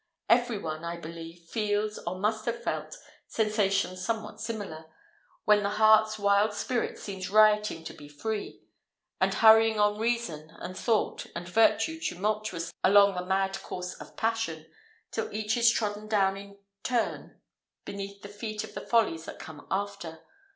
Every one, I believe, feels, or must have felt, sensations somewhat similar, when the heart's wild spirit seems rioting to be free, and hurrying on reason, and thought, and virtue tumultuously along the mad course of passion, till each is trodden down in turn beneath the feet of the follies that come after.